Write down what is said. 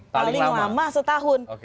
paling lama setahun